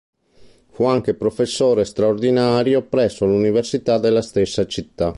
Fu anche professore straordinario presso l'università della stessa città.